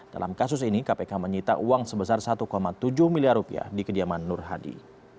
dalam kasus ini kpk menyita uang sebesar satu tujuh miliar rupiah di kediaman nur hadi